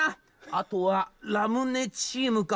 あとは、ラムネチームか。